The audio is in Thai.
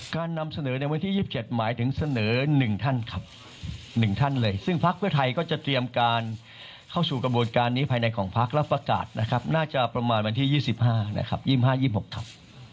การนำเสนอในวันที่๒๗หมายถึงเสนอ๑ท่านครับ๑ท่านเลยซึ่งพักเพื่อไทยก็จะเตรียมการเข้าสู่กระบวนการนี้ภายในของพักแล้วประกาศนะครับน่าจะประมาณวันที่๒๕นะครับ๒๕๒๖ครับ